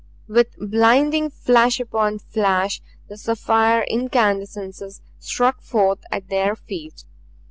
With blinding flash upon flash the sapphire incandescences struck forth at their feet.